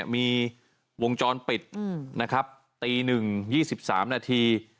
มีวงจรปิดตี๑๒๓นาที